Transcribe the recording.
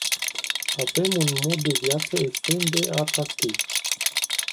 Avem un mod de viață extrem de atractiv.